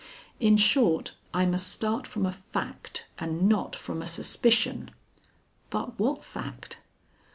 In short, I must start from a fact, and not from a suspicion. But what fact?